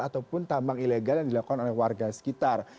ataupun tambang ilegal yang dilakukan oleh warga sekitar